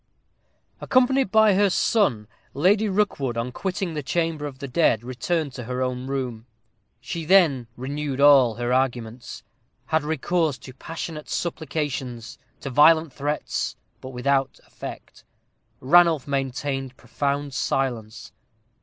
_ Accompanied by her son, Lady Rookwood, on quitting the chamber of the dead, returned to her own room. She then renewed all her arguments; had recourse to passionate supplications to violent threats, but without effect. Ranulph maintained profound silence.